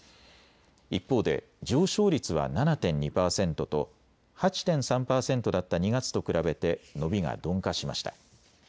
一方で上昇率は７．２％と８．３％だった２月と比べて伸びが鈍化しました。